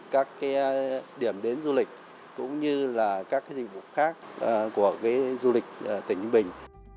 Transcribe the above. các điểm đến du lịch cũng như là các dịch vụ khác của du lịch tỉnh ninh bình